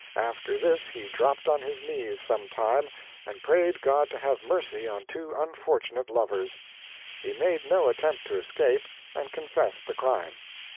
After this he dropped on his knees some time, and prayed God to have mercy on two unfortunate lovers. He made no attempt to escape, and confessed the crime.